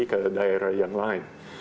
ke daerah yang lain